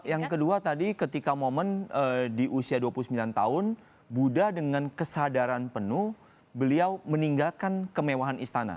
yang kedua tadi ketika momen di usia dua puluh sembilan tahun buddha dengan kesadaran penuh beliau meninggalkan kemewahan istana